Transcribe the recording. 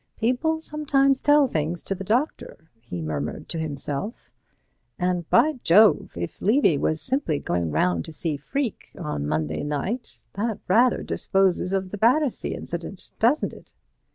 "People sometimes tell things to the doctor," he murmured to himself. "And, by Jove! if Levy was simply going round to see Freke on Monday night, that rather disposes of the Battersea incident, doesn't it?"